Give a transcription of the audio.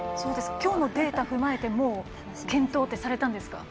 きょうのデータ踏まえて検討ってされたんですか？